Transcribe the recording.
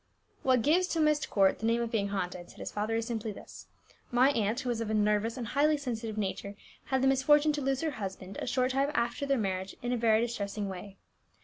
"What gives to Myst Court the name of being haunted," said his father, "is simply this. My aunt, who was of a nervous and highly sensitive nature, had the misfortune to lose her husband, a short time after their marriage, in a very distressing way.